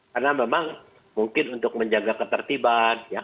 karena memang mungkin untuk menjaga ketertiban